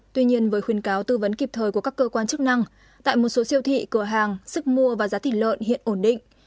tuy nhiên với khuyến cáo tư vấn kịp thời của các cơ quan chức năng tại một số siêu thị cửa hàng sức mua và giá thịt lợn hiện ổn định